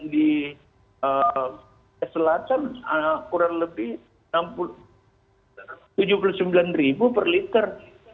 di selatan kurang lebih rp tujuh puluh sembilan per liter